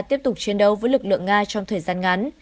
tiếp tục chiến đấu với lực lượng nga trong thời gian ngắn